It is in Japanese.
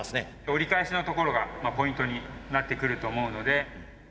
折り返しのところがポイントになってくると思うので。